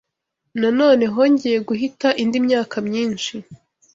Nanone hongeye guhita indi myaka myinshi